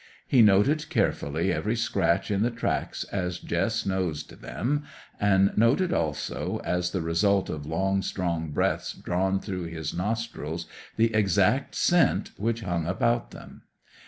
He noted carefully every scratch in the tracks as Jess nosed them, and noted also, as the result of long strong breaths drawn through his nostrils, the exact scent which hung about them.